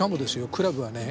クラブはね